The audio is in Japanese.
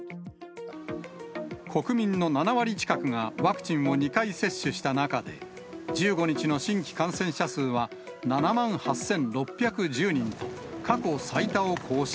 国民の７割近くがワクチンを２回接種した中で、１５日の新規感染者数は７万８６１０人と、過去最多を更新。